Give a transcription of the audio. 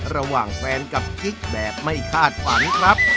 ระหว่างแฟนกับกิ๊กแบบไม่คาดฝันครับ